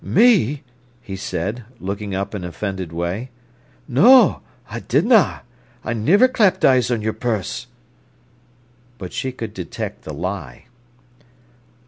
"Me!" he said, looking up in an offended way. "No, I didna! I niver clapped eyes on your purse." But she could detect the lie.